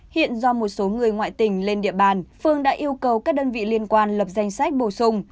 hiện do một số người ngoại tỉnh lên địa bàn phương đã yêu cầu các đơn vị liên quan lập danh sách bổ sung